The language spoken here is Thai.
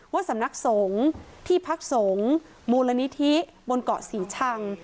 สำนักสงฆ์ที่พักสงฆ์มูลนิธิบนเกาะศรีชัง